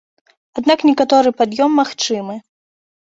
Аднак некаторы пад'ём магчымы.